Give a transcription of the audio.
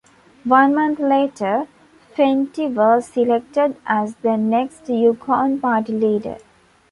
One month later, Fentie was selected as the next Yukon Party leader.